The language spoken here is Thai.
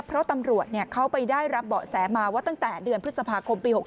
เพราะตำรวจเขาไปได้รับเบาะแสมาว่าตั้งแต่เดือนพฤษภาคมปี๖๒